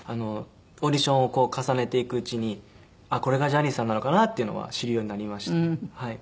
オーディションを重ねていくうちにこれがジャニーさんなのかな？っていうのは知るようになりましたね。